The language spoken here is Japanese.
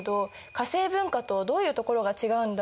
化政文化とどういうところが違うんだろう？